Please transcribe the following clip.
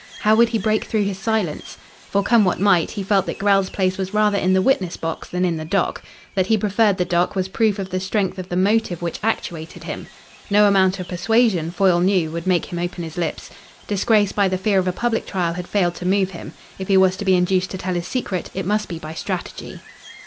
How would he break through his silence? For, come what might, he felt that Grell's place was rather in the witness box than in the dock. That he preferred the dock was proof of the strength of the motive which actuated him. No amount of persuasion, Foyle knew, would make him open his lips. Disgrace by the fear of a public trial had failed to move him. If he was to be induced to tell his secret it must be by strategy.